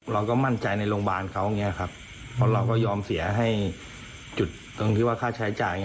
เราก็มั่นใจในโรงพยาบาลเขาเราก็ยอมเสียให้จุดตรงคิดว่าค่าใช้จ่าย